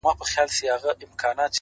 دې لېوني ماحول کي ووایه پر چا مئين يم